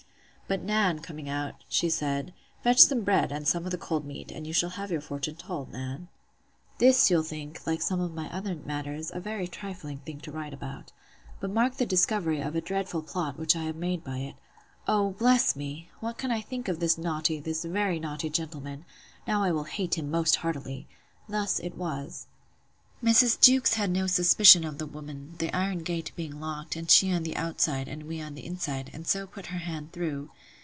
But Nan coming out, she said, Fetch some bread, and some of the cold meat, and you shall have your fortune told, Nan. This, you'll think, like some of my other matters, a very trifling thing to write about. But mark the discovery of a dreadful plot, which I have made by it. O, bless me! What can I think of this naughty, this very naughty gentleman!—Now will I hate him most heartily. Thus it was:— Mrs. Jewkes had no suspicion of the woman, the iron gate being locked, and she on the outside, and we on the inside; and so put her hand through.